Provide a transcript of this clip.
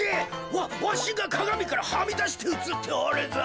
わわしがかがみからはみだしてうつっておるぞ。